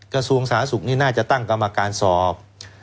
กระทรวงสาธารณสุขนี่น่าจะตั้งกรรมการสอบ